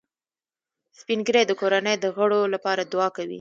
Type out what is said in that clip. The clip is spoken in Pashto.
سپین ږیری د کورنۍ د غړو لپاره دعا کوي